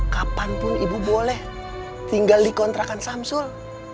kapanpun ibu boleh tinggal di kontrakan samsul